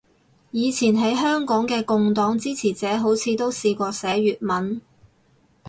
以前喺香港嘅共黨支持者好似都試過寫粵文